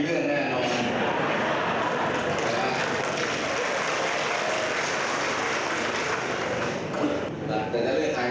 ใครมีในใจแล้วครับคุณ